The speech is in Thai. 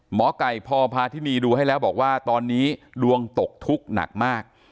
หมอไก่พอพาทินีดูให้แล้วบอกว่าตอนนี้ดวงตกทุกข์หนักมาก